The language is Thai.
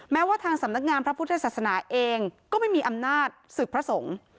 แม้ว่าทางสำนักงานพระพุทธศาสนาเองก็ไม่มีอำนาจศึกพระสงฆ์